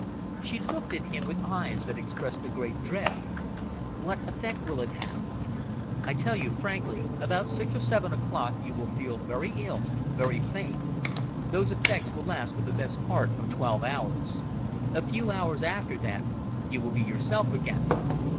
She looked at him with eyes that expressed a great dread. "What effect will it have?" "I tell you frankly, about six or seven o'clock you will feel very ill, very faint. Those effects will last for the best part of twelve hours. A few hours after that, you will be yourself again."